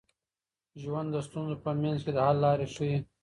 ژوند د ستونزو په منځ کي د حل لارې ښيي.